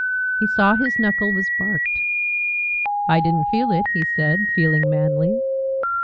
He saw his knuckle was barked. "I didn't feel it," he said, feeling manly.